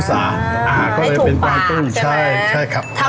ใช่คือเป็นสูตรกวางตุ้งครับ